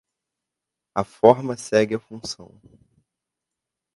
A forma segue a função.